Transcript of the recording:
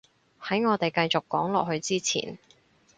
喺我哋繼續講落去之前